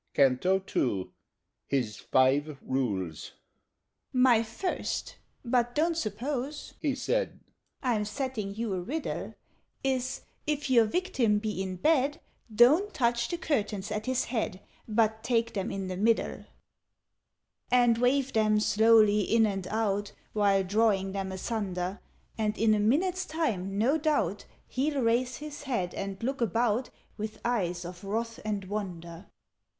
CANTO II. Hys Fyve Rules. "My First but don't suppose," he said, "I'm setting you a riddle Is if your Victim be in bed, Don't touch the curtains at his head, But take them in the middle, "And wave them slowly in and out, While drawing them asunder; And in a minute's time, no doubt, He'll raise his head and look about With eyes of wrath and wonder.